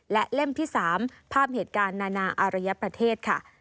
และเล่มที่๓ภาพเหตุการณ์นานาอารยประเทศค่ะ